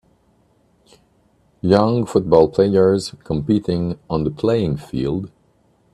Young football players competing on the playing field.